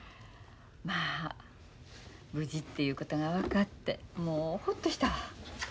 まあ無事っていうことが分かってもうほっとしたわ。